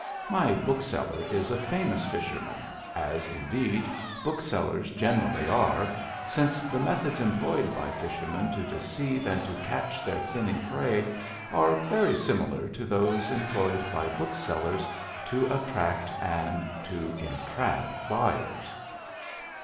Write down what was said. My bookseller is a famous fisherman, as, indeed, booksellers generally are, since the methods employed by fishermen to deceive and to catch their finny prey are very similar to those employed by booksellers to attract and to entrap buyers.